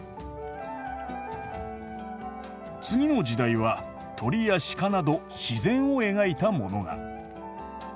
次の時代は鳥や鹿など自然を描いたものが。